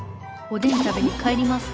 おでん食べに帰ります。